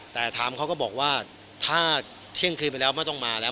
แต่ถามเขาก็บอกว่าถ้าเที่ยงคืนไปแล้วไม่ต้องมาแล้ว